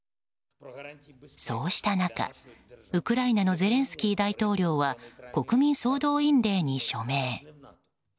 そうした中、ウクライナのゼレンスキー大統領は国民総動員令に署名。